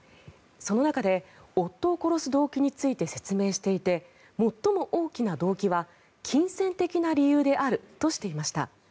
その中で、夫を殺す動機について説明していて最も大きな動機は金銭的な理由であるとしていました。